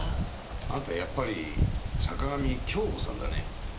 あんたやっぱり坂上恭子さんだね？